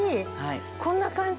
こんな感じ？